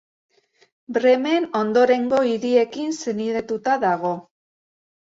Bremen ondorengo hiriekin senidetuta dago.